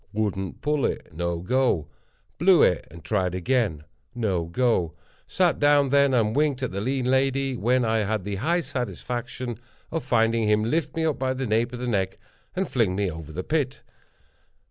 Wouldn't pull it—no go. Blew it, and tried again—no go. Sat down then, and winked at the lean lady, when I had the high satisfaction of finding him lift me up by the nape of the neck, and fling me over into the pit.